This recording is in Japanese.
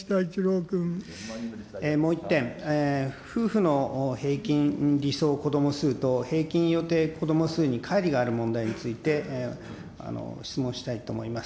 もう１点、夫婦の平均理想こども数と、平均予定こども数にかい離がある問題について質問したいと思います。